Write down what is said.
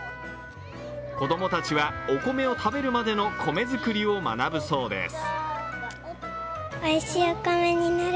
子供たちは、お米を食べるまでの米作りを学ぶそうです。